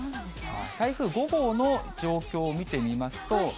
台風５号の状況を見てみますと。